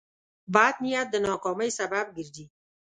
بد نیت د ناکامۍ سبب ګرځي.